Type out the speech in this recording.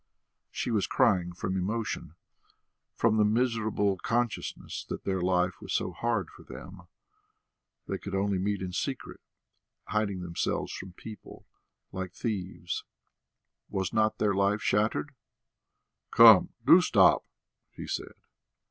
She was crying from emotion, from the miserable consciousness that their life was so hard for them; they could only meet in secret, hiding themselves from people, like thieves! Was not their life shattered? "Come, do stop!" he said.